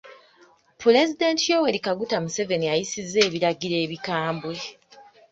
Pulezidenti Yoweri Kaguta Museveni ayisizza ebiragiro ebikambwe.